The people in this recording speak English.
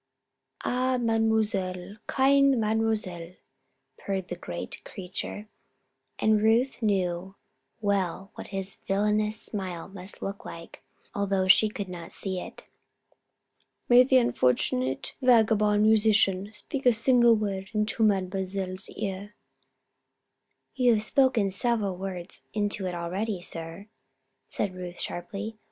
"Ah, Mademoiselle! Kind Mademoiselle!" purred the great creature and Ruth knew well what his villainous smile must look like, although she could not see it. "May the unfortunate vagabond musician speak a single word into Mademoiselle's ear?" "You have spoken several words into it already, sir," said Ruth, sharply.